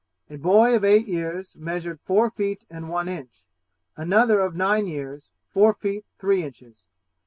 A boy of eight years measured four feet and one inch; another of nine years, four feet three inches.